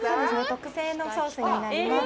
特製のソースになります。